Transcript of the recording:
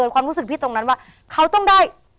ความคิดตรงนั้นก็ก็ต้องได้